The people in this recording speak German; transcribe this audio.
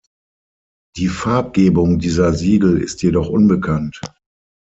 Die Farbgebung dieser Siegel ist jedoch unbekannt.